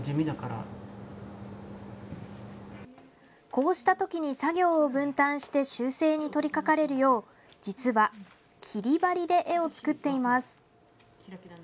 こうしたときに作業を分担して修正に取り掛かれるよう実は、切り貼りで絵を作っています。